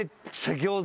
餃子？